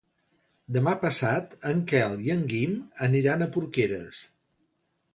Demà passat en Quel i en Guim aniran a Porqueres.